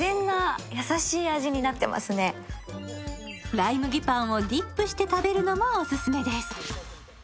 ライ麦パンをディップして食べるのもオススメです。